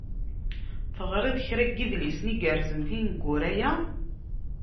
Teɣriḍ kra n yidlisen igerrzen tineggura-ya?